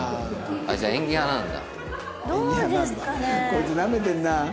こいつなめてんな。